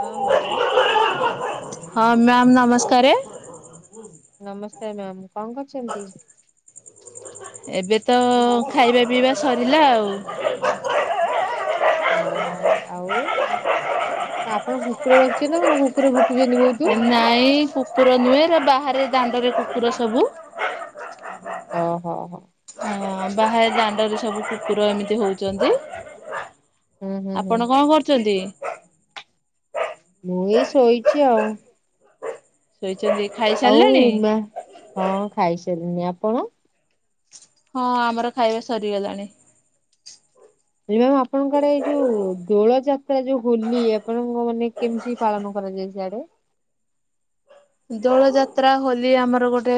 ହଁ ହ୍ୟାଲୋ। ହଁ ମ୍ୟାମ୍ ନମସ୍କାରେ। ନମସ୍କାର ମ୍ୟାମ କଁ କରୁଛନ୍ତି? ଏବେ ତ ଖାଇବା ପିଇବା ସରିଲା ଆଉ। ଓହୋ ଆଉ ଆପଣ କୁକୁର ରଖିଚନ୍ତି ନା କଣ କୁକୁରୁ ଭୁ ଏ ନା। ନାଇ କୁକୁର ନୁହେଁ ଏରା ବାହାରେ ଦାଣ୍ଡରେ କୁକୁର ସବୁ। ହ ହ ହ। ହଁ ବାହାରେ ଦାଣ୍ଡରେ ସବୁ କୁକୁର ଏମିତି ହଉଚନ୍ତି। ହୁଁ ହୁଁ ହୁଁ ଆପଣ କଁ କରୁଛନ୍ତି? ମୁଁ ଏଇ ଶୋଇଚି ଆଉ। ଶୋଇଚନ୍ତି ଖାଇ ଆଉ ମ୍ୟା ହଁ ଖାଇସାଇଲିଣୀ ଆପଣ? ହଁ ଆମର ଖାଇବା ସରିଗଲାଣି। ଏଇ ମ୍ୟାମ ଆପଣଙ୍କର ଏଇ ଯୋଉ ଦୋଳ ଯାତ୍ରା ଯଉ ହୋଲି ଆପଣଙ୍କ ମାନେ କେମିତି ପାଳନ କରାଯାଏ ସିଆଡେ? ଦୋଳ ଯାତ୍ରା ହୋଲି ଆମର ଗୋଟେ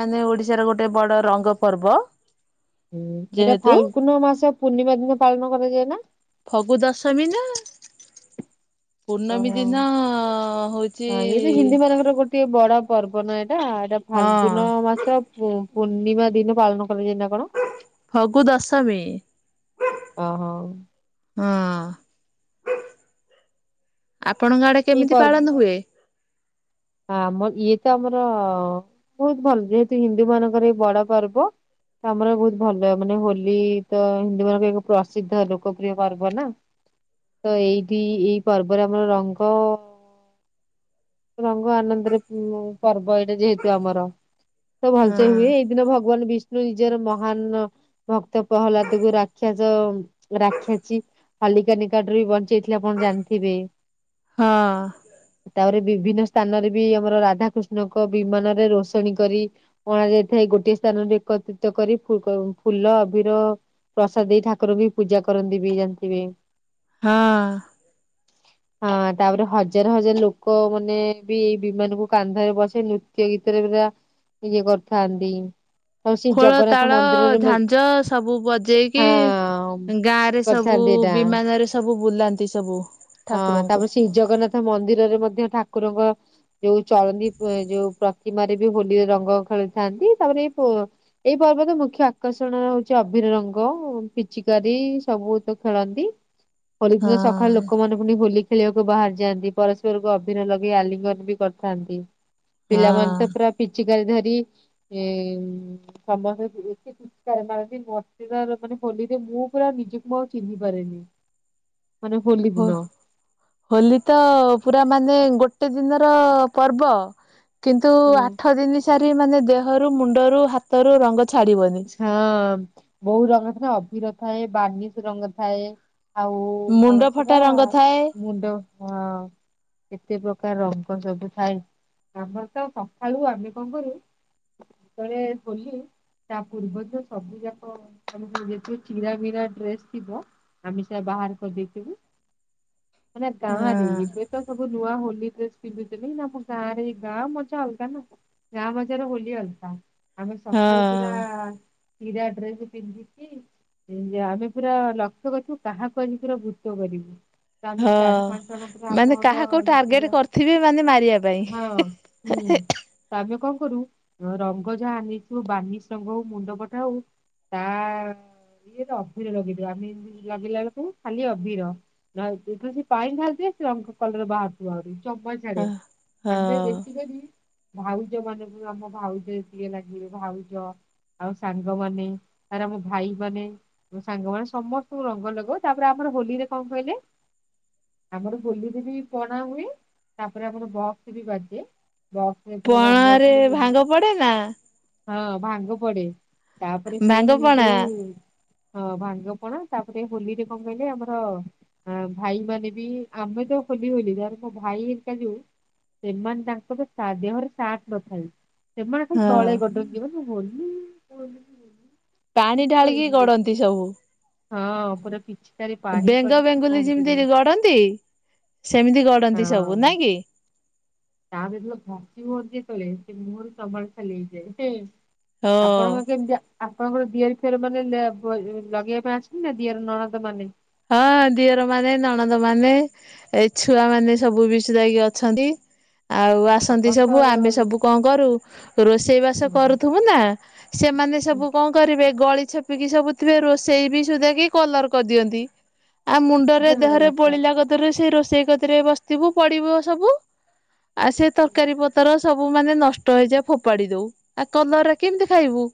ମାନେ ଓଡିଶାର ଗୋଟେ ବଡ ରଙ୍ଗ ପର୍ବ। ହୁଁ ଏଇଟା ଯେହେତୁ ଫାଲଗୁନ ମାସ ପୂର୍ଣ୍ଣିମା ଦିନ ପାଳନ କରାଯାଏ ନା? ଫଗୁଦଶମୀ ନା ପୂର୍ଣ୍ଣମୀ ଓହୋ ଦିନ ହଉଚି ଟିଏ ବଡ ପର୍ବ ନା ଏଟା, ଏଟା ହଁ ଫାଲଗୁନ ମାସ ହୁଁ ପୂର୍ଣ୍ଣିମା ଦିନ ପାଳନ କରାଯାଏ ନା କଣ? ଫଗୁ ଦଶମୀ। ଓହୋ ହଁ-ଅ-ଅ ଆପଣଙ୍କ ଆଡେ କେମିତି ପାଳନ ହୁଏ? ହ ଆମ ଇଏ ତ ଆମର-ଅ-ଅ-ଅ-ଅ ବହୁତ ଭଲ, ଯେହେତୁ ହିନ୍ଦୁ ମାନଙ୍କର ଏଇ ବଡ ପର୍ବ। ତ ଆମର ବହୁତ ଭଲ, ମାନେ ହୋଲି ତ ହିନ୍ଦୁ ମାନଙ୍କ ଏକ ପ୍ରସିଦ୍ଧ ଲୋକପ୍ରିୟ ପର୍ବ ନା। ତ ଏଇଠି ଏଇ ପର୍ବରେ ଆମର ରଙ୍ଗ ରଙ୍ଗ ଆନନ୍ଦରେ ଉ-ଉ-ଉ ପର୍ବ ଏଇଟା ଯେହେତୁ ଆମର। ତ ଭଲସେ ହଁ ହୁଏ। ଏଇ ଦିନ ଭଗବାନ ବିଷ୍ଣୁ ନିଜର ମହାନ ଭକ୍ତ ପ୍ରହ୍ଲାଦକୁ ରାକ୍ଷାସ ରାକ୍ଷାସୀ ହାଲିକା ନିକାଟରୁ ବି ବଞ୍ଚେଇଥିଲେ ଆପଣ ଜାଣିଥିବେ। ହଁ। ତାପରେ ବିଭିନ୍ନ ସ୍ଥାନରେ ବି ଆମର ରାଧାକୃଷ୍ଣଙ୍କ ବିମାନରେ ରୋଷଣୀ କରି ଅଣା ଯାଇଥାଏ। ଗୋଟିଏ ସ୍ଥାନରେ ଏକତ୍ରିତ କରି ଫୁ କ ଫୁଲ ଅଭିର ପ୍ରସାଦ ଦେଇ ଠାକୁର ବି ପୂଜା କରନ୍ତି ବି ଜାଣିଥିବେ। ହଁ। ହଁ ତାପରେ ହଜାର ହଜାର ଲୋକ ମାନେ ବି ଏଇ ବିମାନ କୁ କାନ୍ଧରେ ବସେଇ ନୃତ୍ୟ ଗୀତରେ ପୁରା ଇଏ କରିଥାନ୍ତି। ଆଉ ସେ ଖୋଳ ଜଗନ୍ନାଥ ତାଳ ମନ୍ଦିରରେ ହଁ ଝାଞ୍ଜ ସବୁ ବଜେଇକି ଗାଁ ରେ କରିଥାନ୍ତି ସବୁ-ଉ-ଉ ଏଇଟା। ବିମାନରେ ସବୁ ବୁଲାନ୍ତି ସବୁ ହଁ ଠାକୁରଙ୍କୁ। ତାପରେ ଶ୍ରୀ ଜଗନ୍ନାଥ ମନ୍ଦିରରେ ମଧ୍ୟ ଠାକୁରଙ୍କ ଯୋଉ ଚଳନି ପ ଏ ଯୋଉ ପ୍ରତିମାରେ ବି ହୋଲି ରଙ୍ଗ ଖେଳିଥାନ୍ତି। ତାପରେ ଏଇ ପୋ ଏଇ ପର୍ବ ତ ମୁଖ୍ୟ ଆକର୍ଷଣ ହଉଛି ଅଭିିର ରଙ୍ଗ ପିଚିକାରି ସବୁ ତ ଖେଳନ୍ତି। ହୋଲିଦିନ ସକାଳେ ହଁ ଲୋକମାନେ ପୁଣି ହୋଲି ଖେଳିବାକୁ ବାହାରି ଯାଆନ୍ତି। ପରସ୍ପରକୁ ଅଭିର ଲଗେଇ ଆଲିଙ୍ଗନ ବି କରିଥାନ୍ତି ପିଲାମାନେ ହଁ ତ ପୁରା ପିଚିିକାରି ଧରି ଏ-ଏ ସମସ୍ତ [unintelligible] ରଙ୍ଗ ମାରନ୍ତି ମତେ ତ ଲୋକମାନେ ହୋଲିରେ ମୁଁ ପୁରା ନିଜକୁ ଆଉ ଚିହ୍ନି ପାରେନି। [inaudible] ମାନେ ହୋଲି ହୋ ଦିନ। ହୋଲି ତ-ଅ-ଅ-ଅ ପୁରା ମାନେ ଗୋଟେ ଦିନର-ଅ-ଅ ପର୍ବ। କିନ୍ତୁ ହୁଁ ଆଠ ଦିନ ସାରି ମାନେ ଦେହରୁ ମୁଣ୍ଡରୁ ହାତରୁ ରଙ୍ଗ ଛାଡିବନି। ହଁ-ଅ-ଅ ବହୁ ରଙ୍ଗ ଥାଏ ଅଭିିର ଥାଏ ବାନିଶ ରଙ୍ଗ ଥାଏ। ଆଉ-ଉ-ଉ ମୁଣ୍ଡ କଣ ଫଟା ସେରା ରଙ୍ଗ ଥାଏ ମୁଣ୍ଡ ହଁ [inaudible] କେତେ ପ୍ରକାର ରଙ୍ଗ ସବୁ ଥାଏ। ଆମର ତ ସଖାଳୁ ଆମେ କଣ କରୁ ସେତବେଳେ ହୋଲି ତା ପୂର୍ବଦିନ ସବୁ ଯାକ ଆମର ଯେତିକି ଚିରାମୀରା ଡ୍ରେସ ଥିବ ଆମେ ସେରା ବାହାର କରିଦେଇଥିବୁ, ମାନେ ଗାଁରେ ହଁ ଏବେ ତ ସବୁ ନୂଆ ହୋଲି ଡ୍ରେସ୍ ପିନ୍ଧୁଥିଲି ନା, ଆମ ଗାଁ ରେ ଗାଁ ମଜା ଅଲଗା ନା। ଗାଁ ମଜାରେ ହୋଲି ଅଲଗା ଆମେ ସକାଳୁ ହଁ ଆ ଚିରା ଡ୍ରେସ ପିନ୍ଧିକି ଯେ ଆମେ ପୁରା ଲକ୍ଷ୍ୟ କରିଥିବୁ କାହାକୁ ଆଜି ପୁରା ଭୂତ କରିବୁ। ତମେ ଚାରି ହଁ ପାଞ୍ଚ ଜଣ ଙ୍କର ମାନେ ଆମ ହେବ କାହାକୁ ଟାର୍ଗେଟ ଯେତିକ କରିଥିବେ ମାନେ ମାରିବା ପାଇଁ ହଁ ହୁଁ। ତା ଦେହ ରେ କଣ କରୁ ଅ ରଙ୍ଗ ଯାହା ଆଣିଥିବୁ ବାନିସ୍ ତାଙ୍କୁ କହୁ ମୁଣ୍ଡ ଫଟା ହଉ ତା-ଆ-ଆ ଇଏ ତ ଅଭିର ଲଗେଇଦବା ଆମେ ଏମିତି ଲଗେଇଲା ବେଳକୁ ଖାଲି ଅଭିର। ନ ତୁ ଯଦି ପାଣି ଢାଳି ଦିଅ ସେ ରଙ୍ଗ କଲର ବାହାରୁ ରୁ ଥିବ ଆହୁରି ଜମା ହଁ। ଛାଡେନି ଆମେ ହଁ ବେଶୀକରି ଭାଉଜ ମାନଙ୍କୁ ଆମ ଭାଉଜ ଏତିକେ ଲାଗିବେ ଭାଉଜ। ଆଉ ସାଙ୍ଗମାନେ ଆରେ ଆମ ଭାଇ ମାନେ। ମୋ ସାଙ୍ଗମାନେ ସମସ୍ତଙ୍କୁ ରଙ୍ଗ ଲଗାଉ ତାପରେ ଆମର ହୋଲିରେ କଣ କହିଲେ ଆମର ହୋଲିରେ ବି ପଣା ହୁଏ। ତାପରେ ଆମର ବକ୍ସ ବି ବାଜେ ବକ୍ସ ରେ ପୁରା ରଙ୍ଗ ପଣାରେ ଖାଲି ହୋଲି ଭାଙ୍ଗ ପଡେନା? ହଁ ଭାଙ୍ଗ ପଡେ ତାପରେ ଭାଙ୍ଗ ସେଇ ପଣା ଯୋଉ ହଁ ଭାଙ୍ଗପଣା ତାପରେ ହୋଲିରେ କଣ କହିଲେ ଆମର। ଆ ଭାଇ ମାନେ ବି ଆମେ ତ ହୋଲି ହୋଲି ତାପରେ ମୋ ଭାଇ ହେରିକା ଯୋଉ। ସେମାନେ ତାଙ୍କର ଦେହରେ ସାଟ୍ ନଥାଏ। ସେମାନେ ଖାଲି ହଁ। ତଳେ ଗଡୁଥିବେ ହୋଲି ମୁଁ ହୋଲି। [unintelligible] ପାଣି ଢାଳିକି ହେଇଯିବେ। ଗଡ଼ନ୍ତି ସବୁ। ହଁ ପୁରା ପିଛି ବେଙ୍ଗ ବେଙ୍ଗୁଲି ଯେମିତି ଗଡନ୍ତି ସେମିତି ଗଡନ୍ତି ସବୁ ନାଇଁ କି। ତା ପରେ ଯେତେବେଳେ ଘଷି ହୁଅନ୍ତି ଜେତେଲେ ସେ ମୁହଁ ରୁ ଚମଡ଼ା ଛାଲି ହେଇଯାଏ। ହଁ। ଆପଣଙ୍କର କେମିତିଆ? ଆପଣଙ୍କର ଦିଅର ଫିଅର ମାନେ ଲେ ବ ଲଗେଇବା ପାଇଁ ଆସନ୍ତି ନା ଦିଅର ନଣଦ ମାନେ? ହଁ ଦିଅର ମାନେ ନଣନ୍ଦ ମାନେ ଏ ଛୁଆ ମାନେ ସବୁ [unintelligible] ଅଛନ୍ତି। ଆଉ ଆପଣ ଆସନ୍ତି ତ ସବୁ ଆମେ ସବୁ କଣ କରୁ ରୋଷେଇ ବାସ ହୁଁ କରୁଥିବୁ ନା। ସେମାନେ ହୁଁ ସବୁ କଣ କରିବେ ଗଳି ଛପିକି ସବୁ ଥିବେ ରୋଷେଇ ବି ସୁଧା କି କଲର କରିଦିଅନ୍ତି। ଆଉ ମୁଣ୍ଡରେ ଦେହରେ ଆଚ୍ଛା ବୋଳିଲା କତିରୁ ସେଇ ରୋଷେଇ କତିରେ ବସିଥିବୁ ପଡିବ ସବୁ। ଆଉ ସେ ତରକାରୀ ପତର ସବୁ ମାନେ ନଷ୍ଟ ହେଇଯାଏ ଫୋପାଡି ଦଉ ଆଉ କଲର ରେ କେମିତି ଖାଇବୁ।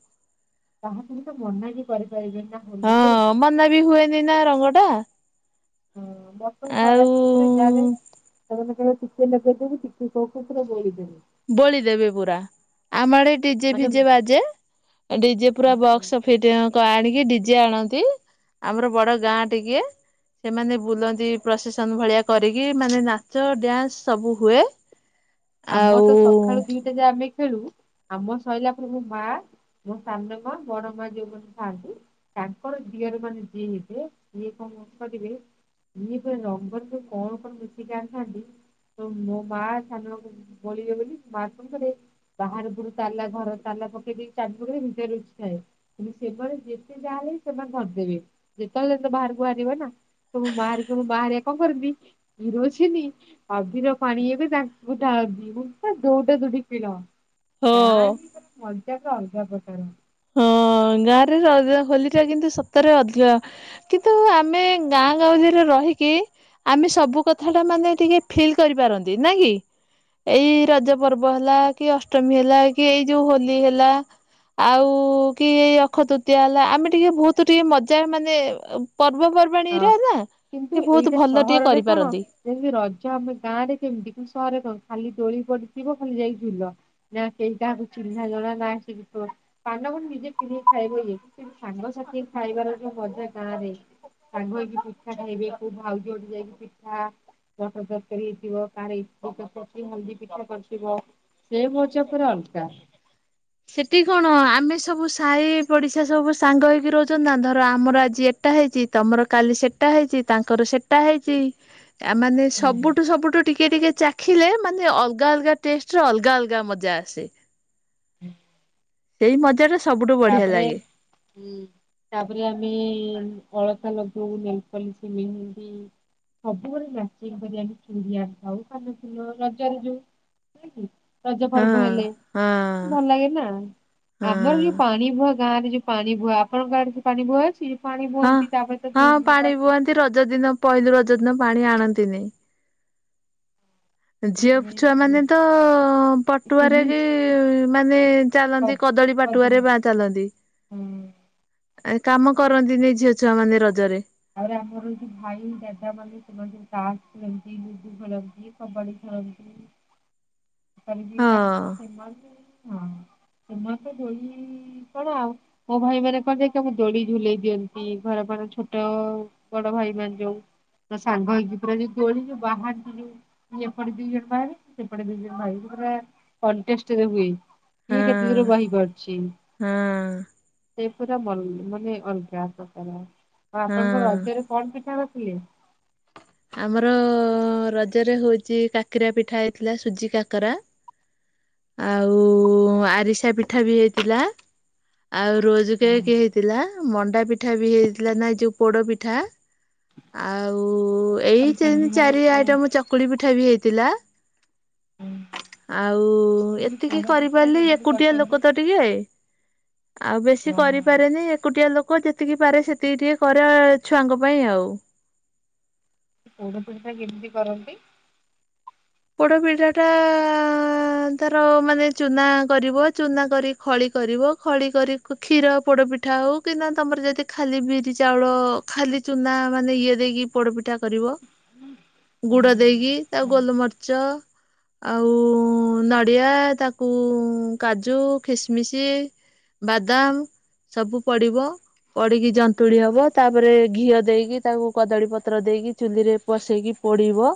କାହାକୁ ବି ତ ମନା ବି କରିପାରିବେନି ନା ହଁ ହୋଲିରେ। ମନା ବି ହୁଏନି ନା ରଙ୍ଗ ଟା। [inaudible] ସେଇନା କହିବୁ ଆଉ ଟିକେ କହୁ କହୁ ପୁରା ବୋଳି ଦେବେ। ବୋଳି ଦେବେ ପୁରା ଆମ ଆଡେ ଡିଜେ ମାନେ ଫିଜେ ବାଜେ। ଡିଜେ ପୁରା ବକ୍ସ ଫିଟି ଆଣିକି ଡିଜେ ଆଣନ୍ତି। ଆମର ବଡ ଗାଁ ଟିକେ। ସେମାନେ ବୁଲନ୍ତି ପ୍ରସେସନ ଭଳିଆ କରିକି ମାନେ ନାଚ ଡ୍ୟାନ୍ସ ସବୁ ହୁଏ। ଆଉ ଆମର ତ ସକାଳୁ ଦିଟା ଯାଏ ଆମେ ଖେଳୁ ଆମ ସଇଲା ପରେ ମୋ ମା। ମୋ ସାାନ ମା ବଡ ମା ଯୋଉ ମାନେ ଥାଆନ୍ତି। ତାଙ୍କର ଦିଅର ମାନେ ଯିଏ ହେଇଥିବେ ଇଏ କଣ କରିବେ। ଏ ରଙ୍ଗରରେ କଣ କଣ ମିସେଇକି ଆଣିଥାନ୍ତି ତ ମୋ ମା ସାନ ମା। ବୋଳିିବେ ବୋଲି ମା କଣ କରିବେ। ବାହାର ପଟୁ ତାଲା ଘର ତାଲା ପକେଇ ଦେଇକି ଚାବି ପକେଇ ଦେଇ ଭିତରେ ଲୁଛିଥାଏ। କିନ୍ତୁ ସେମାନେ ଯେତେ ଯାହାହେଲେ ସେମାନେ ଧରିଦେବେ ଯେତେବେଳେ ତ ବାହାରକୁ ବାହାରିବେ ନା। ମୋ ମା ହେରିକା ବାହାରିବାକୁ କଣ କରନ୍ତି କିରୋସିନ ଅବିର ପାଣି ଏବେ କା ମୁଁ ଦାଉଁ ମୁଁ ପା ଦଉଡା ଦୌଡ଼ି ଖେଳ। ହଁ ଗାଁ ରେ ମାନେ ମଜା ପୁରା ଅଲଗା ପ୍ରକାର। ହଁ ଗାଁରେ ର ହୋଲି ଖେଳ କିନ୍ତୁ ସତରେ ଅଧିକ। କିନ୍ତୁ ଆମେ ଗାଁ ଗାଁଉଲି ରେ ରହିକି। ଆମେ ସବୁ କଥା ଟା ମାନେ ଟିକେ ଫିଲ୍ କରିପାରନ୍ତି ନା କି। ଏଇ ରଜ ପର୍ବ ହେଲା କି ଅଷ୍ଟମୀ ହେଲା କି ଏଇ ଯୋଉ ହୋଲି ହେଲା। ଆଉ। ହଉ କି ଅକ୍ଷତୃତୀୟା ହେଲା ଆମେ ଟିକେ ବହୁତ ଟିକେ ମଜା ମାନେ ପର୍ବପର୍ବା ହଁ ବାଣିରେ ନା କିନ୍ତୁ ଟିକେ ବହୁତ ଏଇଟା ଭଲ ଟିକେ ସହରରେ କଣ କରିପାରନ୍ତି। ଯେମିତି ରଜ ଆମେ ଗାଁ ରେ କେମିତି କଣ ସହରରେ କଣ ଖାଲି ଦୋଳି ପଡିଥିବ ଖାଲି ଯାଇକି ଝୁଲ। ନା କେଇ କାହାକୁ ଚିହ୍ନା ଜଣା ନା ସେଠି ପାନ ନିଜେ କିଣିକି ଖାଇବ। ସାଙ୍ଗସାଥି ଖାଇବାର ଯୋଉ ମଜା ଗାଁ ରେ। ସାଙ୍ଗ ହେଇକି ପିଠା ଖାଇବେ କୋଉ ଭାଉଜଟୁ ଯାଇକି ପିଠା। ମଟରତରକାରୀ ହେଇଥିବ ଇଟିଲି ହଳଦୀ ପିଠା କରିଥିବ। ସେ ମଜା ପୁରା ଅଲଗା। ସେଠି କଣ ଆମେ ସବୁ ସାହି ପଡିଶା ସବୁ ସାଙ୍ଗ ହେଇକି ରହୁଛନ୍ତି ନା ଧର ଆମର ଆଜି ଏତି ସେଟା ହେଇଛି ତମର କାଲି ସେଟା ହେଇଛି ତାଙ୍କର ସେଟା ହେଇଛି। ଆ ମାନେ ସବୁଠୁ ସବୁଠୁ ଟିକେ ଟିକେ ଚାଖିଲେ ମାନେ ଅଲଗା ଅଲଗା ଟେଷ୍ଟରେ ଅଲଗା ଅଲଗା ମଜା ଆସେ। ହୁଁ ସେଇ ମଜାର ତାପରେ ହୁଁ ତାପରେ ଆମେ ଅଳତା ଲଗାଉ ନେଲପଲିସି ମେହେନ୍ଦି ସବୁବେଳେ ମାଚିଙ୍ଗ କରି ଆମେ ପିନ୍ଧିବା ଆଉ କାନ ଫୁଲ ରଜରେ ଯଉ ନାଇକି ରଜ ହଁ ପର୍ବ ହେଲେ ହଁ ଭଲ ଲାଗେ ନା ଆମର ହଁ। ଯଉ ପାଣି ଭୁହ ଗାଁ ରେ ଯୋଉ ପାଣି ଭୁଆ ଆପଣଙ୍କ ଗାଁ ଆଡ଼େ ପାଣି ଭୁହ ଅଛି। ପାଣି ଭୁଅନ୍ତି ତା ପରେ ତା ସେ ରଜ ଦିନ ପହିଲି ରଜ ଦିନ ପାଣି ଆଣନ୍ତିନି ଝିଅ ଛୁଆ ମାନେ ସେଥିପାଇଁ ତ ପଟୁଆରେ କି ପିନ୍ଧିଛି ମାନେ ଚାଲନ୍ତି କଦଳୀ ପଟ ଟୁଆରେ ବା ଚାଲନ୍ତି। ହୁଁ ଆ କାମ କରନ୍ତିନି ଝିଅ ଛୁଆ ମାନେ ରଜରେ ଆଉ ଆମର ଯୋଉ ଭାଇ ଦାଦା ମାନେ ସେମାନେ ଯ ତାସ ଖେଳନ୍ତି ଲୁଗୁ ଖେଳନ୍ତି। କବାଡି ଖେଳନ୍ତି। କି ହଁ ତା ସେମାନେ ହଁ ସେମାନେ ତ ଧଳି କଣ ଆଉ ମୋ ଭାଇ ମାନେ କଣ ନା ସବୁ ଦୋଳି ଝୁଲେଇ ଦିଅନ୍ତି ଘର ଛୋଟ ବଡ ଭାଇ ମାନ ଯଉ ତ ସାଙ୍ଗ ହେଇକି ପୁରା ଯୋଉ ଦୋଳି ଯୋଉ ବାହାରି ଯୋଉ ଏପଟେ ଦିଇ ଜଣ ବାହାରେ ସେପଟେ ଦିଇ ଜଣ ଭାଇ ପୁରା କଣ୍ଟେରେ ହୁଏ ହଁ। କିଏ କେତେ ଦୂର ବହି ପାରୁଛି ହଁ ସେଇ ପୁରା ମାନେ ଅଲଗା ପ୍ରକାର ହଁ। ଆପଣଙ୍କ ରଜ ରେ କଣ ପିଠା କରିଥିଲେ? ଆମର ରଜରେ ହଉଛି କାକିରା ପିଠା ହେଇଥିଲା ସୁଜି କାକରା। ଆଉ ଆରିସା ପିଠା ବି ହେଇଥିଲା। ଆଉ ରୋଜ କେକ ହେଇଥିଲା ମଣ୍ଡା ପିଠା ବି ହେଇଥିଲା ନା ଯୋଉ ପୋଡ଼ ପିଠା ଆଉ ଏଇ କରିଛନ୍ତି ତିନି ମାନେ ଚାରି କୋଉ ଆଇଟମ ଚକୁଳି ପିଠା ବି ହେଇଥିଲା। ଆଉ ପୋଡ ଏତିକି ପିଠା ଟା କରିପାରିଲି କେମିତି ଏକୁଟିଆ ଲୋକ ତ କରିଛନ୍ତି? ଟିକେ। ଆଉ ବେଶୀ କରିପାରେନି ଏକୁଟିଆ ଲୋକ ଯେତିକି ପାରେ ସେତିକି ଟିକେ କରେ ଛୁଆଙ୍କ ପାଇଁ ଆଉ ପୋଡ଼ ପିଠା କେମିତି କରନ୍ତି? ପୋଡ ପିଠା ଟା ତାର ମାନେ ଚୁନା କରିବ ଚୁନା କରି ଖଳି କରିବ ଖଳି କରି କ୍ଷୀର ପୋଡ଼ପିଠା ହଉ କିନା ତୁମର ଯଦି ଖାଲି ବିରି ଚାଉଳ। ଖାଲି ଚୁନା ମାନେ ଇଏ ଦେଇକି ପୋଡପିଠା କରିବ ଗୁଡ ହୁଁ ଦେଇକି ତା ଗୋଲମରିଚ ଆଉ ନଡ଼ିଆ ତାକୁ କାଜୁ କିସମିସ ବାଦାମ ସବୁ ପଡିବ ପଡ଼ିକି ଜନ୍ତୁଳି ହବ ତାପରେ ଘିଅ ଦେଇକି ତାକୁ କଦଳୀ ପତ୍ର ଦେଇକି ଚୁଲିରେ ପସେଇକି ପଡିବ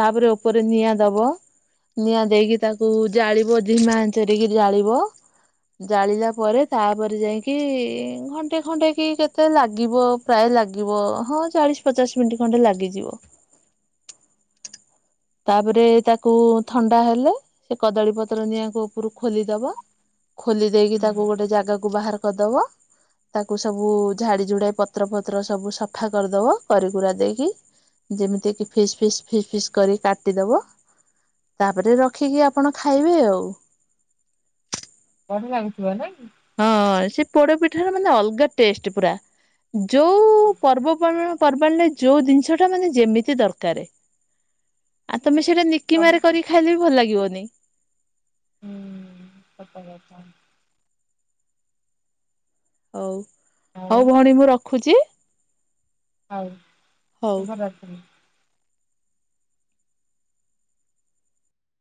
ତାପରେ ଉପରେ ନିଆଁ ଦବ। ନିଆଁ ଦେଇକି ତାକୁ ଜାଳିବ ଧିମା ଆଞ୍ଚ କରିକି ଜାଳିବ। ଜାଳିଲା ପରେ ତାପରେ ଯାଇକି ଘଣ୍ଟେ ଖଣ୍ଟେ କି କେତେ ଲାଗିବ। ପ୍ରାୟ ଲାଗିବ ହଁ ଚାଳିଶ ପଚାଶ ମିନିଟ୍ ଖଣ୍ଡେ ଲାଗିଯିବ। ତାପରେ ତାକୁ ଥଣ୍ଡା ହେଲେ ସେ କଦଳୀ ପତ୍ର ନିଆ ଉପରୁ ଖୋଲିଦବା। ଖୋଲି ଦେଇକି ତାକୁ ଗୋଟେ ଜାଗାକୁ ବାହାର କରିଦବ। ତାକୁ ସବୁ ଝାଡି ଯୁଡାଇ ପତ୍ର ପତ୍ର ସବୁ ସଫା କରିଦବ କରିକୁରା ଦେଇକି। ଯେମିତି କି ଫିସ୍ ଫିସ୍ ଫିସ୍ ଫିସ୍ କରି କାଟିଦବ ତାପରେ ରଖିକି ଆପଣ ଖାଇବେ ଆଉ। ବଢିଆ ଲାଗୁଥିବ ନାଇ ହଁ ସେ ପୋଡପିଠା ର ମାନେ ଅଲଗା ଟେଷ୍ଟ ପୁରା। ଯୋଉ ପର୍ବ ପର୍ବା ପର୍ବାଣରେ ଯୋଉ ଜିନିଷ ଟା ମାନେ ଯେମିତି ଦରକାରେ ଆଉ ତମେ ସେଇଟା ନିକି ସବୁ ମାରେ କରିକି ଖାଇଲେ ବି ଭଲ ଲାଗିବନି। [unintelligible] ହଉ ହଉ ଭଉଣୀ ମୁଁ ରଖୁଛି। ହଉ ହଉ। ଶୁଭ ରାତି।